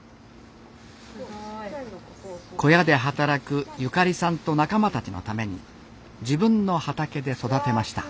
小屋で働くゆかりさんと仲間たちのために自分の畑で育てました。